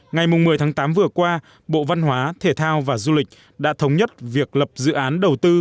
ngày một mươi tháng tám vừa qua bộ văn hóa thể thao và du lịch đã thống nhất việc lập dự án đầu tư